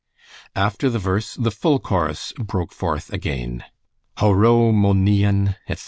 After the verse the full chorus broke forth again Ho ro, mo nighean, etc.